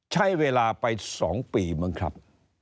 ใช่เวลาไป๒ปีเหมือนครับ